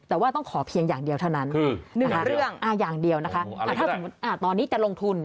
แต่ว่าต้องขอเพียงอย่างเดียวเท่านั้นหาเรื่องอย่างเดียวนะคะถ้าสมมุติตอนนี้จะลงทุน